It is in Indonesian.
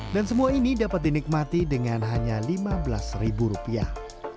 dan semua ini dapat dinikmati dengan hanya lima belas ribu rupiah